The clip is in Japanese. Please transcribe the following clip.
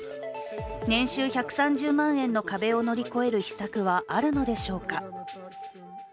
年収１３０万円の壁を乗り越える秘策はあるのでしょうか。